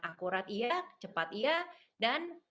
akurat cepat dan